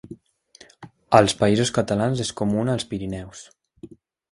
Als Països Catalans és comuna als Pirineus.